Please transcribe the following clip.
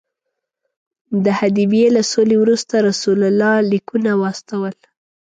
د حدیبیې له سولې وروسته رسول الله لیکونه واستول.